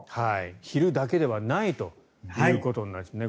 昼だけではないということなんですね。